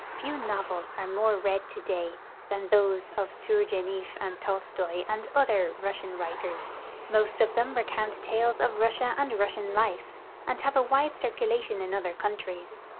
Few novels are more read today than those of Tour geniefF and Tolstoi and other Russian Avriters. Most of them recount tales of Russia and Russian life, and have a Avide circu lation in other countries.